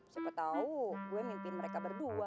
siapa tau gue mimpiin mereka berdua